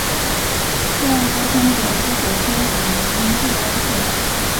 对外交通主要是火车往来因特拉肯。